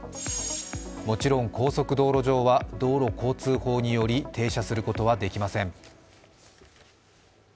もちろん高速道路上は道路交通法により停車することはできません。